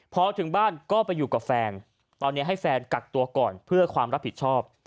พอถึงบ้านก็ไปอยู่กับแฟนตอนนี้ให้แฟนกักตัวก่อนเพื่อความรับผิดชอบ